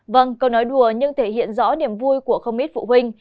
vâng câu nói đùa nhưng thể hiện rõ niềm vui của không ít phụ huynh